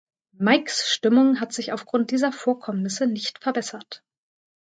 Mikes Stimmung hat sich aufgrund dieser Vorkommnisse nicht verbessert.